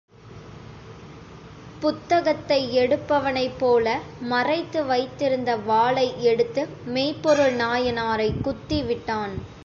புத்தகத்தை எடுப்பவனைப் போல மறைத்து வைத்திருந்த வாளை எடுத்து மெய்ப்பொருள் நாயனாரை குத்திவிட்டான்.